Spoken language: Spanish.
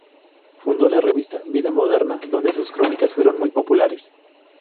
Fundó la revista "Vida Moderna", donde sus crónicas fueron muy populares.